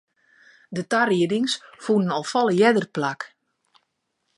De tariedings fûnen al folle earder plak.